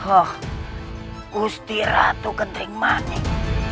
oh usti ratu ketering manik